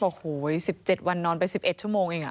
บอกหูย๑๗วันนอนไป๑๑ชั่วโมงเองอ่ะ